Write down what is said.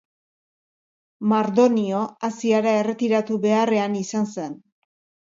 Mardonio Asiara erretiratu beharrean izan zen.